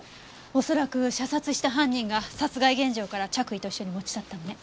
恐らく射殺した犯人が殺害現場から着衣と一緒に持ち去ったのね。